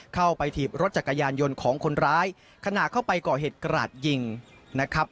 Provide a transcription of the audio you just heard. ถีบรถจักรยานยนต์ของคนร้ายขณะเข้าไปก่อเหตุกราดยิงนะครับ